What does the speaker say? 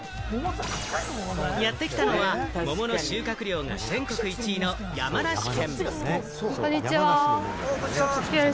やってきたのは桃の収穫量が全国１位の山梨県。